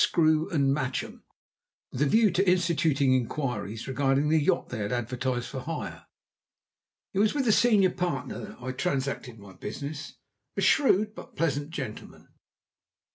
Screw & Matchem, with a view to instituting inquiries regarding the yacht they had advertised for hire. It was with the senior partner I transacted my business; a shrewd but pleasant gentleman.